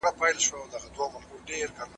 زه له سهاره کالي پرېولم؟